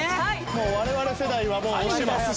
もう我々世代はもう押してます。